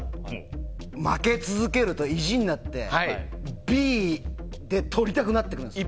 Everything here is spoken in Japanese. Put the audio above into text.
負け続けると意地になってＢでとりたくなってくるんです。